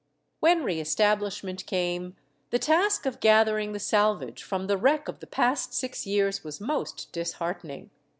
^ When re establishment came the task of gathering the salvage from the wreck of the past six years was most disheartening.